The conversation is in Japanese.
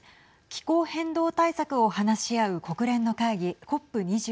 気候変動対策を話し合う国連の会議